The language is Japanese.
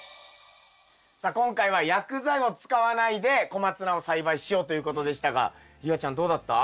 さあ今回は薬剤を使わないでコマツナを栽培しようということでしたが夕空ちゃんどうだった？